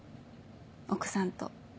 奧さんと。